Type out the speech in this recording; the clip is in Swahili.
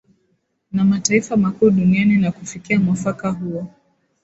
na mataifa makuu duniani na kufikia mwafaka huo